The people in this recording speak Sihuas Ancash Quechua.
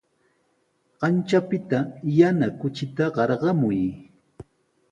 Kanchapita yana kuchita qarqamuy.